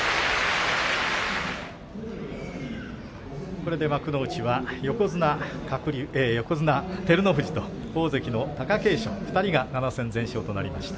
これで幕内は横綱照ノ富士と大関の貴景勝２人が７戦全勝となりました。